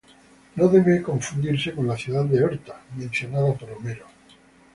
No debe confundirse con la ciudad de Orta, mencionada por Homero.